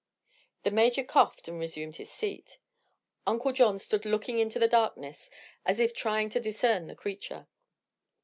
The Major coughed and resumed his seat. Uncle John stood looking into the darkness as if trying to discern the creature.